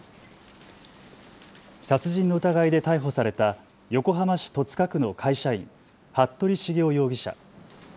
殺人の疑いで逮捕された横浜市戸塚区の会社員、服部繁雄容疑者。